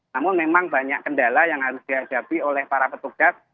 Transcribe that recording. namun memang banyak kendala yang harus dihadapi oleh para petugas